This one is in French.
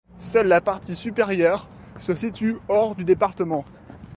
Seule la partie supérieure se situe hors du département.